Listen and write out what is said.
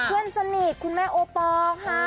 เพื่อนสนิทคุณแม่โอปอล์ค่ะ